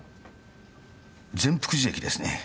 善福寺駅ですね。